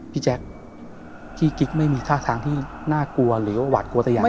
แจ๊คพี่กิ๊กไม่มีท่าทางที่น่ากลัวหรือว่าหวาดกลัวแต่อย่างใด